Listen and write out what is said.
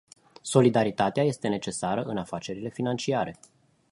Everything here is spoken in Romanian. Solidaritatea este necesară în afacerile financiare.